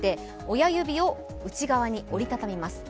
親指を内側に折り畳みます。